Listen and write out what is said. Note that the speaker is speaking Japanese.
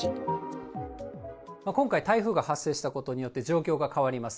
今回、台風が発生したことによって、状況が変わります。